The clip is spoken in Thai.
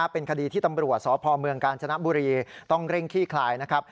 เป็นคดีที่ตำรวจสพเมืองกาญจนบุรีต้องเร่งขี้คลายนะครับ